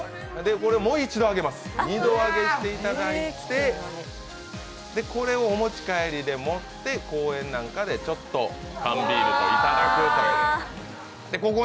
これもう一度揚げます、二度揚げしていただいてこれをお持ち帰りで持って公園なんかでちょっと缶ビールといただくという。